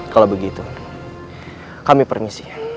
kalau begitu kami permisi